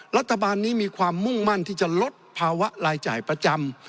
รัฐบาลนี้มีความมุ่งมั่นที่จะลดภาวะรายจ่ายประจำ